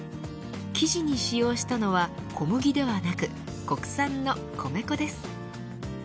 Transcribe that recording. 生地に使用したのは小麦ではなく国産の米粉です。